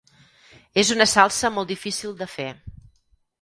És una salsa molt difícil de fer.